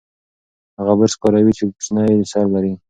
هغه برس کاروي چې کوچنی سر لري.